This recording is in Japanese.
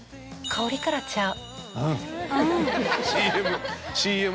「香りからちゃう」。